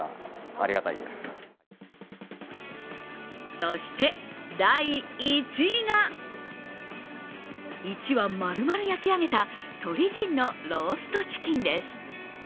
そして、第１位が鶏１羽丸々焼き上げた鶏陣のローストチキンです。